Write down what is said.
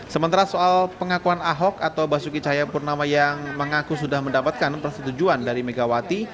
sementara soal pengakuan ahok atau basuki cahayapurnama yang mengaku sudah mendapatkan persetujuan dari megawati